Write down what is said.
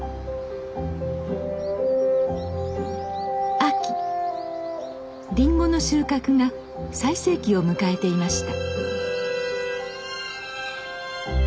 秋りんごの収穫が最盛期を迎えていました。